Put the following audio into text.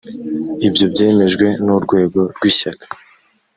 ibyo byemejwe n’urwego rw’ishyaka